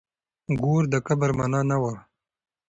ګور د کبر مانا نه وه.